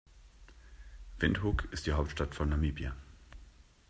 Windhoek ist die Hauptstadt von Namibia.